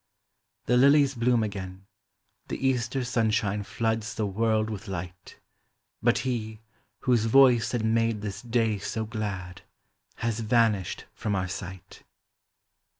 HE lilies bloom again ; The Easter sunshine floods the world with light. But he, whose voice had made this day so glad, Has vanished from our sight.